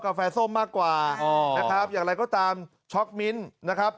แฟส้มมากกว่านะครับอย่างไรก็ตามช็อกมิ้นนะครับ